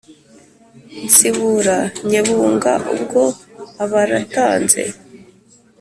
Ntsibura Nyebunga ubwo aba aratanze